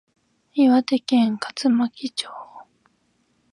岩手県葛巻町